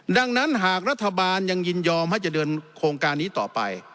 ดังนั้นหากรัฐบาลยังยินยอมให้จะเดินโครงการนี้ต่อไป